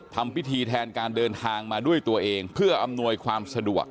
ทำพิธีแทนการเดินทางมาด้วยตัวเองเพื่ออำนวยความสะดวก